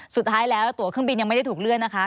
สุดท้ายแล้วตัวเครื่องบินยังไม่ได้ถูกเลื่อนนะคะ